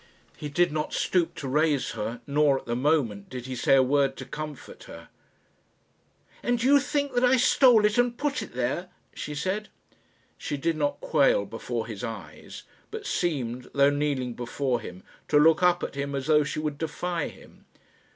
He did not stoop to raise her, nor, at the moment, did he say a word to comfort her. "And you think that I stole it and put it there?" she said. She did not quail before his eyes, but seemed, though kneeling before him, to look up at him as though she would defy him.